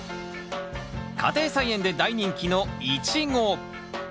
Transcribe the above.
家庭菜園で大人気のイチゴ。